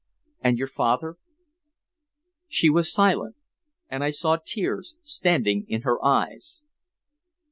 "And your father?" She was silent, and I saw tears standing in her eyes.